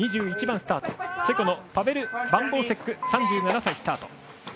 ２１番スタートチェコのパベル・バンボウセック３７歳。